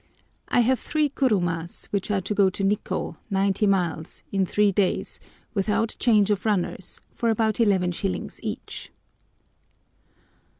I have three kurumas, which are to go to Nikkô, ninety miles, in three days, without change of runners, for about eleven shillings each.